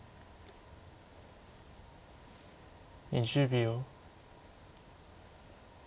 ２０秒。